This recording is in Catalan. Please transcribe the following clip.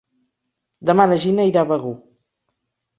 Demà na Gina irà a Begur.